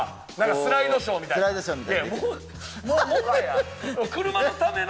スライドショーみたいなのできる。